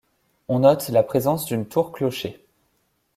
On note la présence d'une tour-clocher.